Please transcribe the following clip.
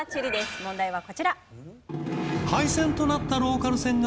問題はこちら。